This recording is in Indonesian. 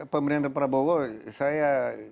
pemerintah prabowo saya